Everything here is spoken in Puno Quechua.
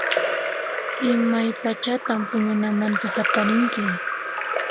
Imaypachatan puñunamanta hatarinki?